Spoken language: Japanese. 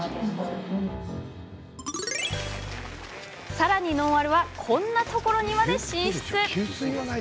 さらに、ノンアルはこんなところにまで進出。